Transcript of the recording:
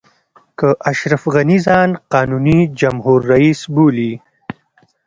که اشرف غني ځان قانوني جمهور رئیس بولي.